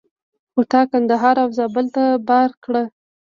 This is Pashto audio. خو تا کندهار او زابل ته بار کړه.